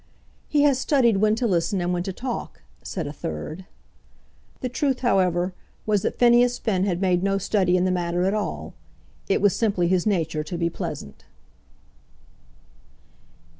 "He has studied when to listen and when to talk," said a third. The truth, however, was, that Phineas Finn had made no study in the matter at all. It was simply his nature to be pleasant.